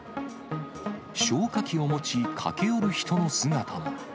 消火器を持ち、駆け寄る人の姿も。